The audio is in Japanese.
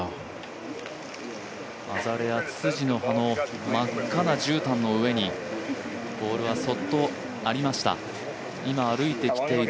アザレア、つつじの葉の真っ赤なじゅうたんの上にボールは、そっとありました。